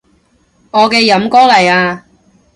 我嘅飲歌嚟啊